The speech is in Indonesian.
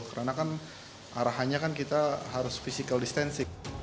karena kan arahannya kita harus physical distancing